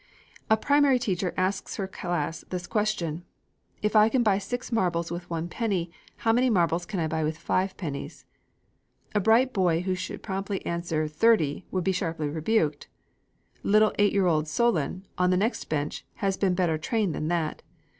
A primary teacher asks her class this question: "If I can buy 6 marbles with 1 penny, how many marbles can I buy with 5 pennies?" A bright boy who should promptly answer "30" would be sharply rebuked. Little eight year old Solon on the next bench has been better trained than that.